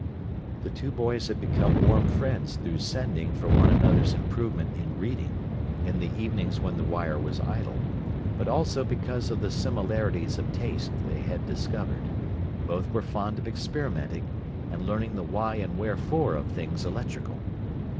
The two boys had become warm friends through "sending" for one another's improvement in "reading," in the evenings when the wire was idle; but also because of the similarities of taste they had discovered. Both were fond of experimenting, and learning the "why and wherefore" of things electrical.